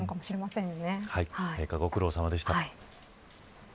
陛下、ご苦労さまでした。